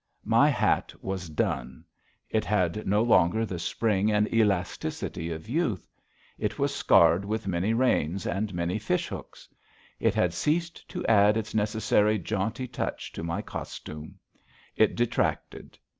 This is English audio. My hat was done. It had no longer the spring and elasticity of youth. It was scarred with many rains and many fish hooks. It had ceased to add its necessary jaunty touch to my costume. It detracted.